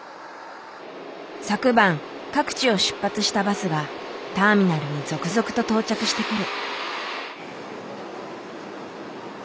昨晩各地を出発したバスがターミナルに続々と到着してくる。